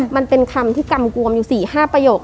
มันเป็นคำที่กำกวมอยู่๔๕ประโยค